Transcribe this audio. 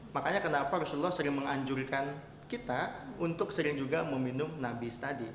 makanya kenapa rasulullah sering menganjurkan kita untuk sering juga meminum nabis tadi